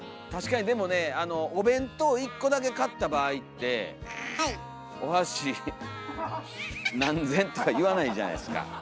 確かにでもねお弁当１個だけ買った場合って「お箸何膳」とか言わないじゃないですか。